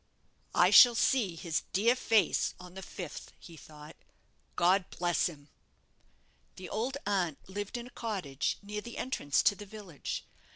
"I shall see his dear face on the fifth," he thought; "God bless him!" The old aunt lived in a cottage near the entrance to the village.